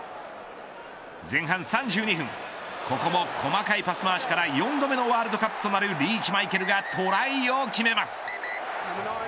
前半３２分ここも細かいパス回しから４度目のワールドカップとなるリーチマイケルがトライを決めます。